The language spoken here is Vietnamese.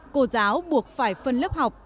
cô giáo buộc phải phân lớp học